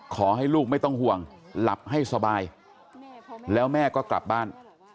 ขอให้ลูกไม่ต้องห่วงหลับให้สบายแล้วแม่ก็กลับบ้าน